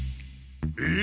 えっ？